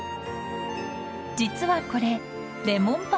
［実はこれレモンパンなんです］